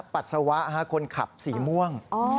ปัสสาวะคนขับสีม่วง